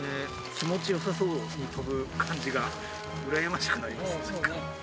気持ちよさそうに飛ぶ感じが羨ましくなります、なんか。